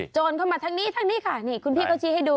โจรเข้ามาทางนี้ค่ะนี่คุณพี่เขาชี้ให้ดู